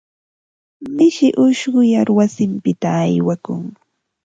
Mishi ushquyar wasinpita aywakun.